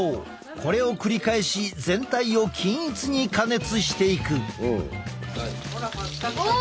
これを繰り返し全体を均一に加熱していく。